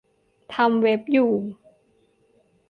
ทำเว็บ อยู่